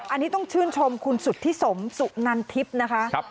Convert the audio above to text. อันนี้ต้องชื่นชมคุณสุธิสมสุนันทิพย์นะคะ